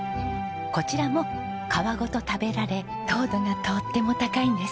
こちらも皮ごと食べられ糖度がとっても高いんです。